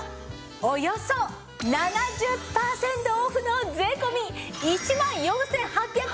およそ７０パーセントオフの税込１万４８００円です！